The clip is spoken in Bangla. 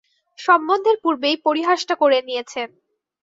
সম্বন্ধের পূর্বেই পরিহাসটা করে নিয়েছেন।